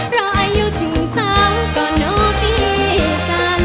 เราอายุถึงสามก็โน่บีกัน